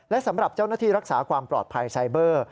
และสำหรับเจ้าหน้าที่รักษาความปลอดภัยไซเบอร์